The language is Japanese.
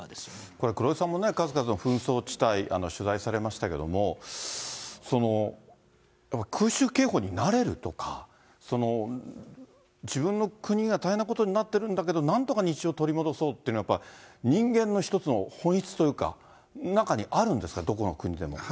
これ、黒井さんもね、数々の紛争地帯、取材されましたけれども、空襲警報に慣れるとか、自分の国が大変なことになってるんだけれども、なんとか日常を取り戻そうというのは、人間の一つの本質というか、中にあるんですか、どこの国でも。